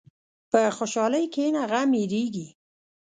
په خوشحالۍ کښېنه، غم هېرېږي.